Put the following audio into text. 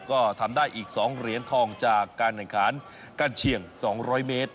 ก็ทำได้อีก๒เหรียญทองจากการขาดเชี่ยง๒๐๐เมตร